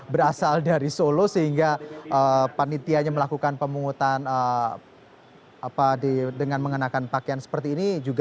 berasal dari solo sehingga panitianya melakukan pemungutan dengan mengenakan pakaian seperti ini